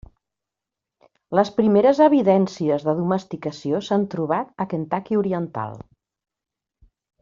Les primeres evidències de domesticació s'han trobat a Kentucky oriental.